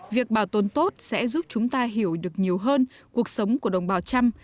việc bảo tồn tốt sẽ giúp chúng ta hiểu được nhiều hơn cuộc sống của đồng bào trăm